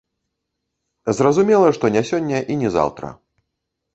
Зразумела, што не сёння і не заўтра.